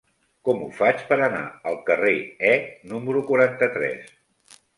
Com ho faig per anar al carrer E número quaranta-tres?